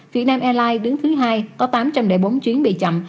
việt nam airlines đứng thứ hai có tám trăm linh bốn chuyến bị chậm